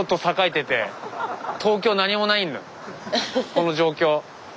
この状況。